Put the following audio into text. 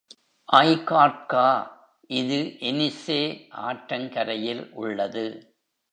ஐகார்க்கா இது எனிசே ஆற்றங் கரையில் உள்ளது.